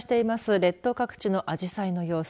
列島各地のあじさいの様子。